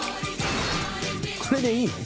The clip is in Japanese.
これでいいの？